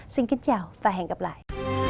xin kính chào và hẹn gặp lại